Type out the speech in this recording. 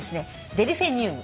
デルフィニウム。